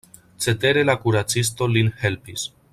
Cetere la kuracisto lin helpis.